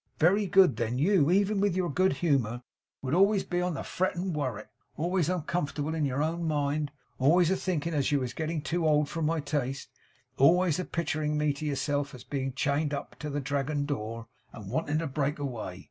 Very good. Then you, even with your good humour, would be always on the fret and worrit, always uncomfortable in your own mind, always a thinking as you was getting too old for my taste, always a picturing me to yourself as being chained up to the Dragon door, and wanting to break away.